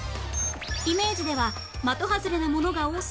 イメージでは「的外れなものが多そう」